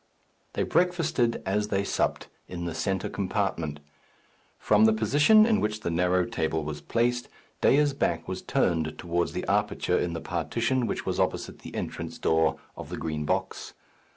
They breakfasted as they supped, in the centre compartment. From the position in which the narrow table was placed, Dea's back was turned towards the aperture in the partition which was opposite the entrance door of the Green Box.